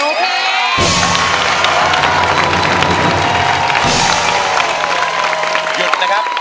หยุดนะครับ